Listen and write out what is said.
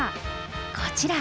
こちら、